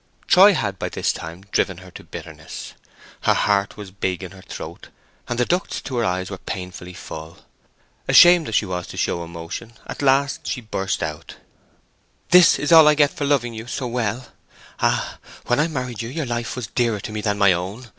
Troy had by this time driven her to bitterness: her heart was big in her throat, and the ducts to her eyes were painfully full. Ashamed as she was to show emotion, at last she burst out:— "This is all I get for loving you so well! Ah! when I married you your life was dearer to me than my own.